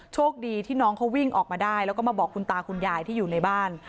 โชคดีที่น้องเขาวิ่งออกมาได้แล้วก็มาบอกคุณตาคุณยายที่อยู่ในบ้าน